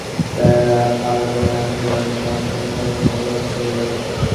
Abortion খুব ভালোভাবে করতে পারল না, যে-কারণে মার সন্তানধারণের ক্ষমতা নষ্ট হয়ে গেল।